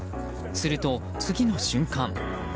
すると次の瞬間。